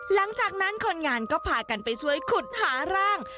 หลังจากนั้นคนงานก็พากันไปช่วยขุดหาร่าง